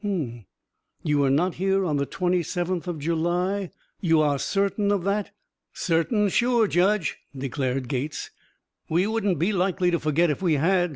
"H'm! You were not here on the twenty seventh of July? You are certain of that?" "Certain sure, Judge!" declared Gates. "We wouldn't be likely to forget if we had.